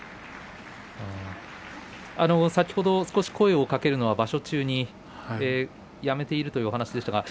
先ほど声をかけるのは場所中にやめているという話でした。